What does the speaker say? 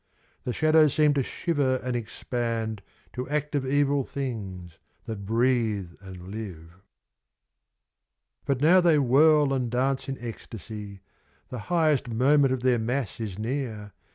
The shadows seem to shiver and expand To active evil things that breathe and live. * =i< * But now they whirl and dance in ecstasy. The highest moment of their mass is near.